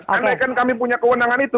karena kan kami punya kewenangan itu